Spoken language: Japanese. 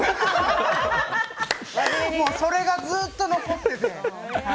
それがずっと残ってて。